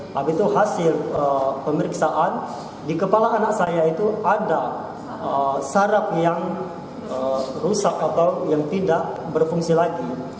tapi itu hasil pemeriksaan di kepala anak saya itu ada sarap yang rusak atau yang tidak berfungsi lagi